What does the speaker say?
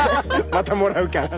またもらうから。